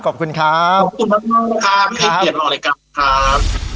ขอบคุณครับขอบคุณมากมากครับไม่ได้เปลี่ยนรอรายการครับ